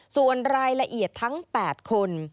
ส่วนรายละเอียดทั้ง๘คน